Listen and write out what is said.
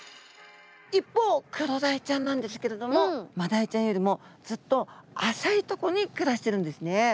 一方クロダイちゃんなんですけれどもマダイちゃんよりもずっと浅いとこに暮らしてるんですね。